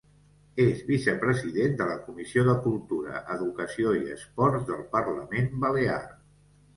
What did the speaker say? És vicepresident de la Comissió de Cultura, Educació i Esports del Parlament Balear.